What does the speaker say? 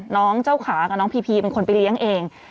น้องเจ้าขากับน้องพีพีเป็นคนไปเลี้ยงเอง